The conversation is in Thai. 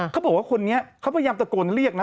เขาบอกว่าคนนี้เขาพยายามตะโกนเรียกนะ